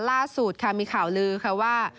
ล่าสุดค่ะมีข่าวลือค่ะว่า